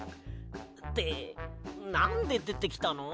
ってなんででてきたの？